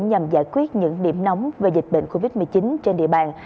nhằm giải quyết những điểm nóng về dịch bệnh covid một mươi chín trên địa bàn